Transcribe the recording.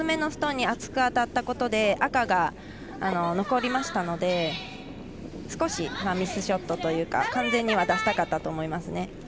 厚く当たったことで赤が残りましたので少しミスショットというか完全には出したかったと思います。